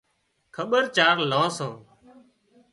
کٻير چار لان سان